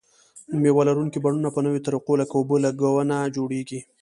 مېوه لرونکي بڼونه په نویو طریقو لکه اوبه لګونه جوړیږي.